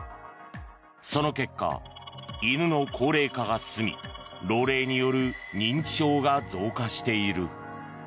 その結果、犬の高齢化が進み老齢による認知症が増加している。